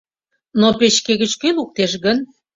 Но печке гыч кӧ луктеш гын?